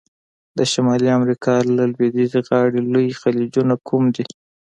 د شمالي امریکا د لویدیځه غاړي لوی خلیجونه کوم دي؟